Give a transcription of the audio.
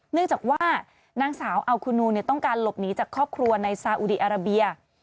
เนื่องจากว่านางสาวอัลคูนูต้องการหลบหนีจากครอบครัวในซาอุดีอาราเบีย